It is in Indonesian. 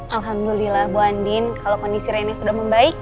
alhamdulillah bu andien kalau kondisi rena sudah membaik